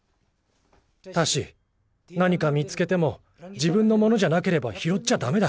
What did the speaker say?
タシ何か見つけても自分のものじゃなければひろっちゃだめだ。